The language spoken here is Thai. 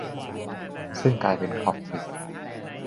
ซึ่งกลายเป็นออฟฟิศ ?